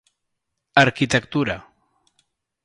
Arquitectura